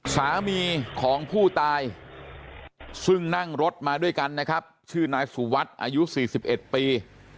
สามีของผู้ตายซึ่งนั่งรถมาด้วยกันนะครับชื่อนายสุวัสดิ์อายุ๔๑ปี